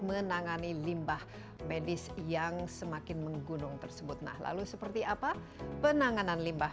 menangani limbah medis yang semakin menggunung tersebut nah lalu seperti apa penanganan limbah